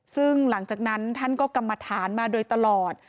ซึ่งหลังจากนั้นท่านก็กรรมฐานมาโดยตลอด